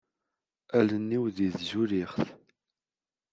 Allen-iw di tzulixt.